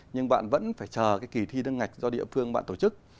nhưng bạn vẫn phải chờ cái kỳ thi nâng ngạch do địa phương bạn tổ chức